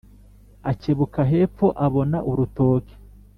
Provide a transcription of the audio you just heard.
Akebuka hepfo abona urutoke